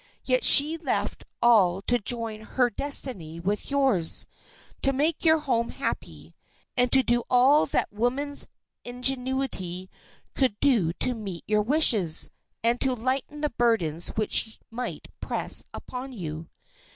Yet she left all to join her destiny with yours—to make your home happy, and to do all that womanly ingenuity could do to meet your wishes, and to lighten the burdens which might press upon you.